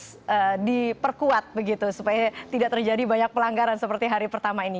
harus diperkuat begitu supaya tidak terjadi banyak pelanggaran seperti hari pertama ini